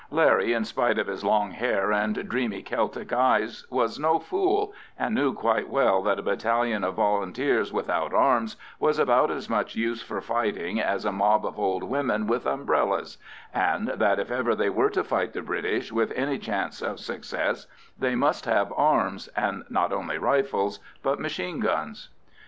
Larry, in spite of his long hair and dreamy Celtic eyes, was no fool, and knew quite well that a battalion of Volunteers without arms was about as much use for fighting as a mob of old women with umbrellas, and that if ever they were to fight the British with any chance of success, they must have arms, and not only rifles, but machine guns.